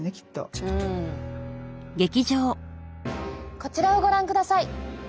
こちらをご覧ください。